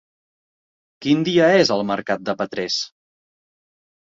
Quin dia és el mercat de Petrés?